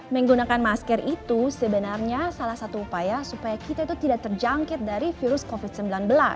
menggunakan masker itu sebenarnya salah satu upaya supaya kita itu tidak terjangkit dari virus covid sembilan belas